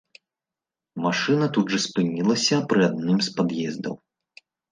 Машына тут жа спынілася пры адным з пад'ездаў.